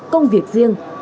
công việc riêng